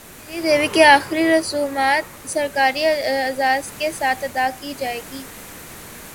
سری دیوی کی اخری رسومات سرکاری اعزاز کے ساتھ ادا کی جائیں گی